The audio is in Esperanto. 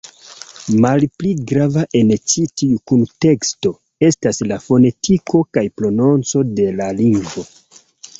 Malpli grava en ĉi tiu kunteksto estas la fonetiko kaj prononco de la lingvo.